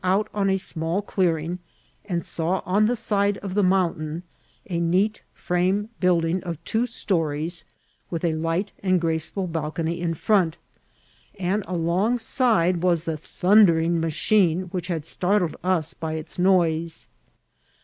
out on a small clearing, and^saw on the side of the mountain a neat frame building of two stories, with a light and graceful balcony in front ; and alongside was the thun* dering machine which had startled us by its noise.